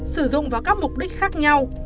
sử dụng vào các mục đích khác nhau